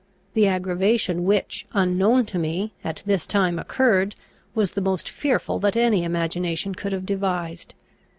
The aggravation which, unknown to me, at this time occurred was the most fearful that any imagination could have devised.